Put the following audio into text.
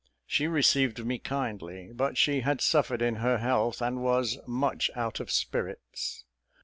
She received me kindly, but she had suffered in her health, and was much out of spirits.